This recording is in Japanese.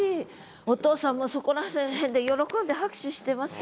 お父さんもそこら辺で喜んで拍手してますよ。